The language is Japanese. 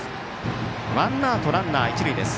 ワンアウトランナー、一塁です。